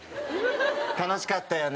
楽しかったよね。